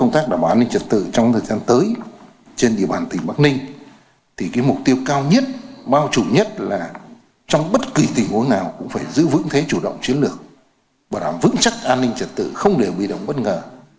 tại đây bộ trưởng tô lâm đã đặt ra một bản thân đồng chiến lược và đảm vững chắc an ninh trật tự không để bị động bất ngờ